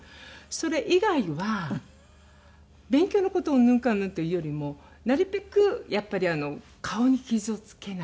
それ以外は勉強の事うんぬんかんぬんというよりもなるべくやっぱり顔に傷をつけないようにとか。